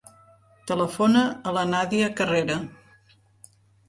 Telefona a la Nàdia Carrera.